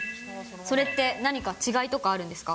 それって何か、違いとかあるんですか？